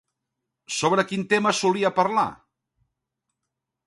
Sobre quin tema solia parlar?